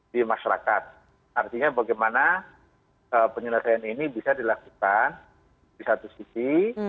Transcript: di masyarakat artinya bagaimana penyelesaian ini bisa dilakukan di satu sisi